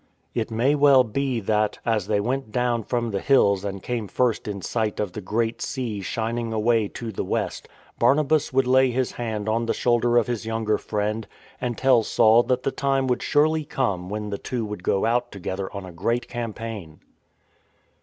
It may well be. that, as they went down from the hills and came first in sight of the Great Sea shining away to the west, Barnabas would lay his hand on the shoulder of his younger friend, and tell Saul that the time would surely come when they two would go out together on a great campaign.